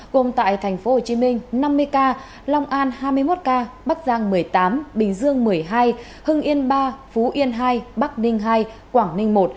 gồm tại tp hcm năm mươi ca long an hai mươi một ca bắc giang một mươi tám bình dương một mươi hai hưng yên ba phú yên hai bắc ninh hai quảng ninh một